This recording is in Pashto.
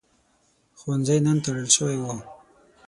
ښوونځی نن تړل شوی و.